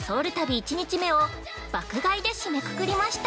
１日目を爆買いで締めくくりました。